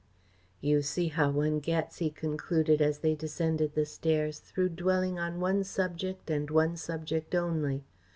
"You see how one gets," he concluded, as they descended the stairs, "through dwelling on one subject and one subject only.